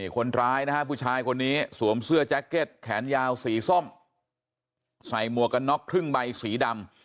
คนร้ายนะฮะผู้ชายคนนี้สวมเสื้อแจ็คเก็ตแขนยาวสีส้มใส่หมวกกันน็อกครึ่งใบสีดำ